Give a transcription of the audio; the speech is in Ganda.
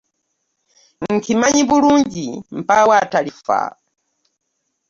Nkimanyi bulungi mpaawo atalifa.